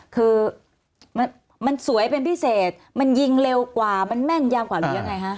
คือมันสวยเป็นพิเศษมันยิงเร็วกว่ามันแม่นยาวกว่าหรือยังไงฮะ